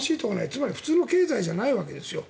つまり普通の経済じゃないわけです。